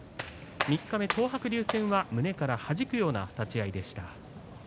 三日目、東白龍は胸からはじくような立ち合いでした。